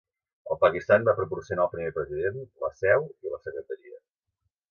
El Pakistan va proporcionar el primer president, la seu i la secretaria.